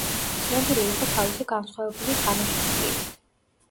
ცნობილი იყო თავისი განსხვავებული თამაშის სტილით.